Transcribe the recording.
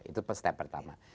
itu step pertama